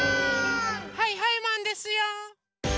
はいはいマンですよ！